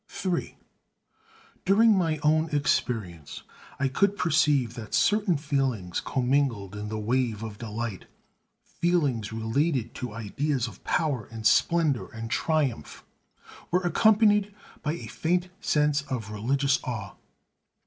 III During my own experience I could perceive that certain feelings commingled in the wave of delight, feelings related to ideas of power and splendor and triumph, were accompanied by a faint sense of religious awe.